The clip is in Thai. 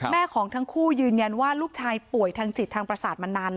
ของทั้งคู่ยืนยันว่าลูกชายป่วยทางจิตทางประสาทมานาน